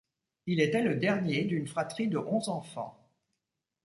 Il était le dernier d’une fratrie de onze enfants.